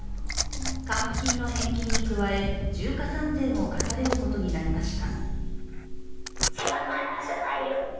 還付金の返金に加え、重加算税も課されることになりました。